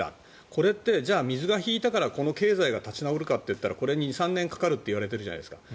これってじゃあ水が引いたからこの経済が立ち直るかというとこれに２３年かかるといわれているじゃないですか。